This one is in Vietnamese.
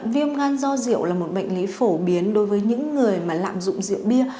viêm gan do rượu là một bệnh lý phổ biến đối với những người mà lạm dụng rượu bia